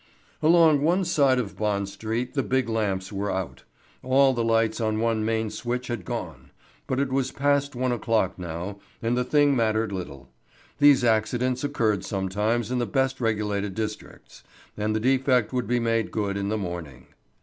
Along one side of Bond Street the big lamps were out. All the lights on one main switch had gone. But it was past one o'clock now, and the thing mattered little. These accidents occurred sometimes in the best regulated districts, and the defect would be made good in the morning.